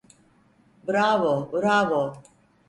Bravo, bravo.